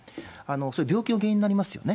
そういう病気の原因になりますよね。